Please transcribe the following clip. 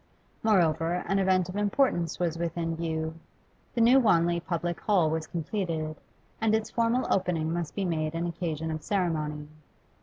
Moreover, an event of importance was within view; the New Wanley Public Hall was completed, and its formal opening must be made an occasion of ceremony.